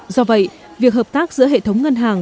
do vậy việc hợp tác giữa hệ thống ngân hàng